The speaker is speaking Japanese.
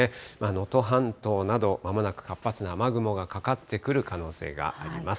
能登半島など、まもなく活発な雨雲がかかってくる可能性があります。